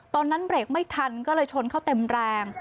เบรกไม่ทันก็เลยชนเข้าเต็มแรง